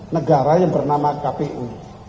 negara yang bernama kpu